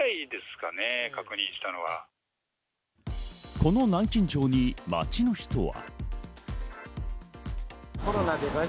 この南京錠に街の人は。